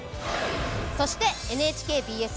そしてＮＨＫＢＳ